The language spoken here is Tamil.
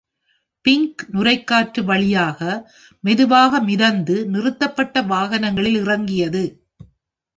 பிங்க் நுரை காற்று வழியாக மெதுவாக மிதந்து, நிறுத்தப்பட்ட வாகனங்களில் இறங்கியது.